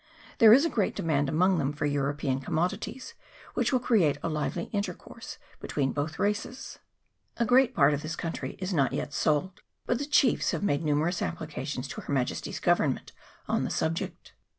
There is a great demand among them for European commodities, which will create a lively intercourse between both races. A great part of this country is not yet sold, but the chiefs have made numerous applications to Her Majesty's Government on the subject.